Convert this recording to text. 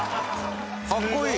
かっこいい！